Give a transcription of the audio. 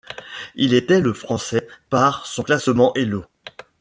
Il était le Français par son classement Elo.